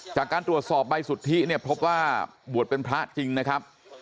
จากการตรวจสอบใบสุทธิเนี่ยพบว่าบวชเป็นพระจริงนะครับ